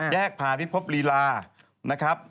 แยกผ่านพิภพลีลา